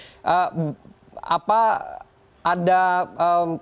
apa ada perubahan jadinya